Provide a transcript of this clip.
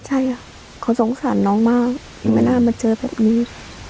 ใช่ค่ะเขาสงสารน้องมากไม่น่ามาเจอแบบนี้